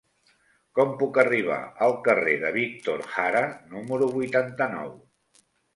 Com puc arribar al carrer de Víctor Jara número vuitanta-nou?